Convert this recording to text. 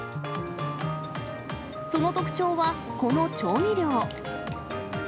その特徴は、この調味料。